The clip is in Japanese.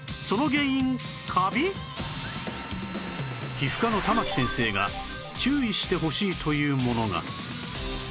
皮膚科の玉城先生が注意してほしいというものが